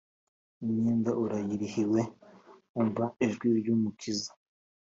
Imyenda urayirihiwe umva ijwi ry’umukiza